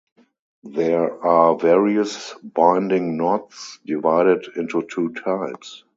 There are various binding knots, divided into two types.